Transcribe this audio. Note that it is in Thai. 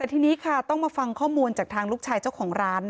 แต่ทีนี้ค่ะต้องมาฟังข้อมูลจากทางลูกชายเจ้าของร้าน